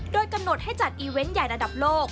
โดยกำหนดให้จัดอีเวนต์ใหญ่ระดับโลก